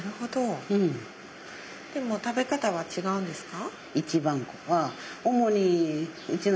でも食べ方は違うんですか？